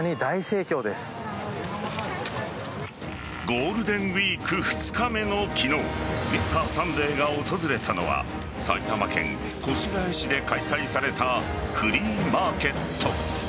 ゴールデンウイーク２日目の昨日「Ｍｒ．サンデー」が訪れたのは埼玉県越谷市で開催されたフリーマーケット。